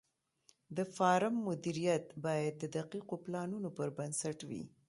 د فارم مدیریت باید د دقیقو پلانونو پر بنسټ وي.